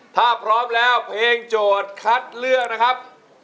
ถ้าพร้อมแล้วเพลงโจทย์คัดเลือกนะครับ